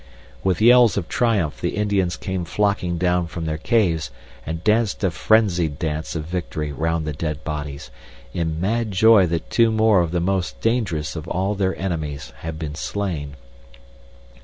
With yells of triumph the Indians came flocking down from their caves and danced a frenzied dance of victory round the dead bodies, in mad joy that two more of the most dangerous of all their enemies had been slain.